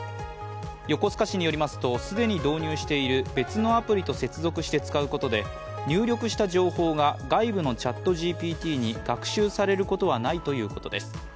横須賀市によりますと既に導入している別のアプリと接続して使うことで、入力した情報が外部のＣｈａｔＧＰＴに学習されることはないということです。